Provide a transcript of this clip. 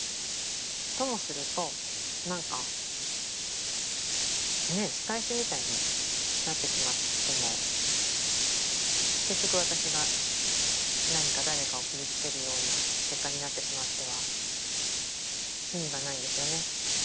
ともするとなんかね仕返しみたいになってしまっても結局私が何か誰かを傷つけるような結果になってしまっては意味がないんですよね。